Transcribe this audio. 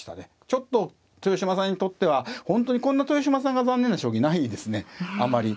ちょっと豊島さんにとっては本当にこんな豊島さんが残念な将棋ないですねあまり。